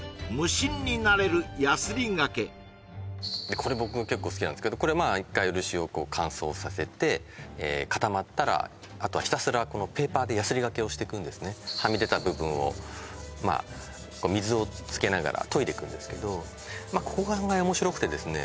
これ僕が結構好きなんですけど一回漆を乾燥させて固まったらあとはひたすらペーパーでやすりがけをしていくんですねはみ出た部分を水をつけながらといでいくんですけどここが案外面白くてですね